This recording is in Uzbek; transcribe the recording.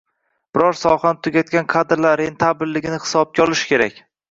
Biror sohani tugatgan kadrlar rentabilligini hisobga olish kerak.